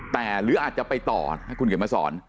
แต่หรืออาจจะไปต่อคุณเก่งมาสอน